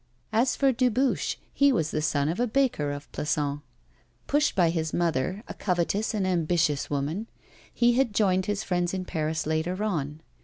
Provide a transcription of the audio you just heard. As for Dubuche, he was the son of a baker of Plassans. Pushed by his mother, a covetous and ambitious woman, he had joined his friends in Paris later on.